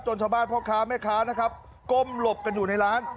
ชาวบ้านพ่อค้าแม่ค้านะครับก้มหลบกันอยู่ในร้าน